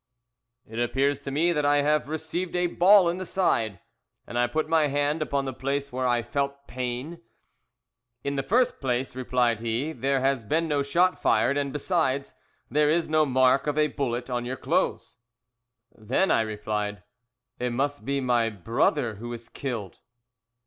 "'It appears to me that I have received a ball in the side,' and I put my hand upon the place where I felt pain. "'In the first place,' replied he 'there has been no shot fired, and besides, there is no mark of a bullet on your clothes.' "'Then,' I replied, 'it must be my brother who is killed.'